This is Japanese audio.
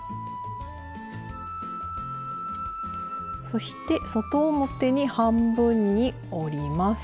そして外表に半分に折ります。